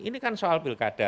ini kan soal pilkada